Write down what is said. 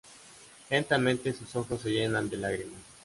Lentamente sus ojos se llenan de lágrimas.